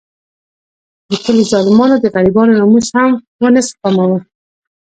د کلي ظالمانو د غریبانو ناموس هم ونه سپماوه.